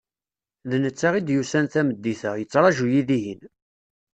D netta i d-yusan tameddit-a yettraǧu-yi dihin.